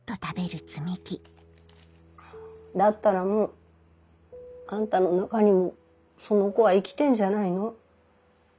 だったらもうあんたの中にもその子は生きてんじゃないの？